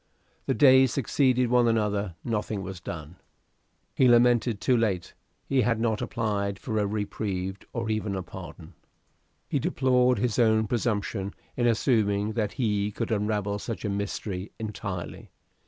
The days succeeded one another: nothing was done. He lamented, too late, he had not applied for a reprieve, or even a pardon. He deplored his own presumption in assuming that he could unravel such a mystery entirely.